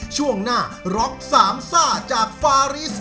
ช่วงหน้าร็อกสามซ่าจากฟาริส